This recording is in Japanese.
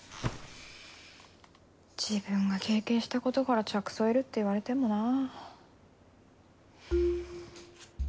自分が経験したことから着想得るって言われてもなぁ。